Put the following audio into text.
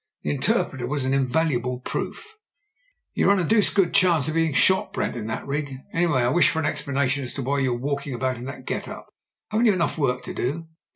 The interpreter was an invaluable proof." "You run a deuced good chance of being shot, Brent, in that rig. Anyway, I wish for an explana tion as to why you're walking about in that get up. Haven't you enough work to do?"